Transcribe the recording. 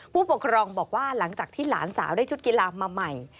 ผู้ปกครองบอกว่าหลังจากที่หลานสาวได้ชุดกีฬามาใหม่